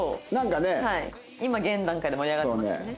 今現段階で盛り上がってますね。